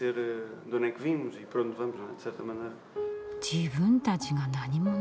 自分たちが何者か。